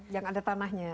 yang ada tanahnya